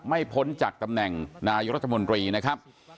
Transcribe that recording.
พ้นจากตำแหน่งนายรัฐมนตรีนะครับ